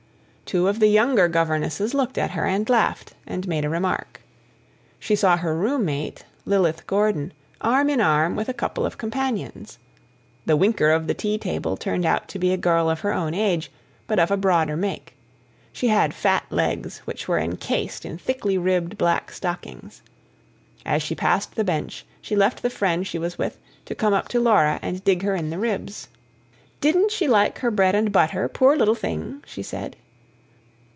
Two of the younger governesses looked at her and laughed, and made a remark. She saw her room mate, Lilith Gordon, arm in arm with a couple of companions. The winker of the tea table turned out to be a girl of her own age, but of a broader make; she had fat legs, which were encased in thickly ribbed black stockings. As she passed the bench she left the friend she was with, to come up to Laura and dig her in the ribs. "DIDN'T she like her bread and butter, poor little thing?" she said.